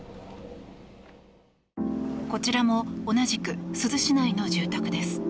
こちらも同じく珠洲市内の住宅です。